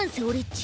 ち